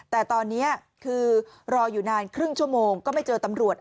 แต่ตอนนี้คือรออยู่นานครึ่งชั่วโมงก็ไม่เจอตำรวจ